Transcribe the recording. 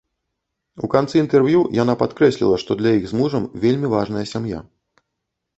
У канцы інтэрв'ю яна падкрэсліла, што для іх з мужам вельмі важная сям'я.